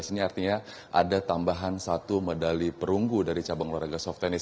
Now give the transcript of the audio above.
ini artinya ada tambahan satu medali perunggu dari cabang olahraga soft tennis